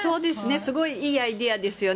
すごいいいアイデアですよね。